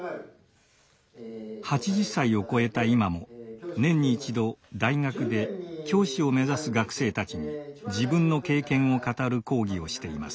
８０歳をこえた今も年に一度大学で教師を目指す学生たちに自分の経験を語る講義をしています。